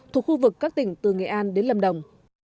thuộc khu vực các tỉnh từ nghệ an đến lâm đồng